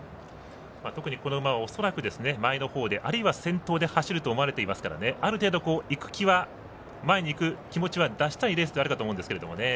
特にこの馬は恐らく前のほうであるいは先頭で走ると思われてますから、ある程度前にいく気持ちは出したいレースではあると思うんですけどね。